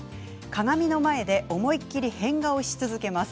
鏡の前で思いっきり変顔をし続けます。